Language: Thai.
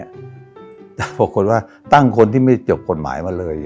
เพราะคนว่าตั้งคนที่ไม่เจอบกฎหมาย